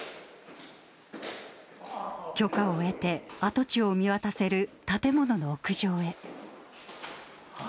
許可を得て、跡地を見渡せる建物の屋上へ。